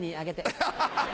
アハハハ！